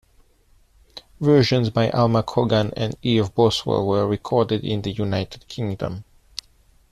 Versions by Alma Cogan and Eve Boswell were recorded in the United Kingdom.